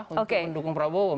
untuk mendukung prabowo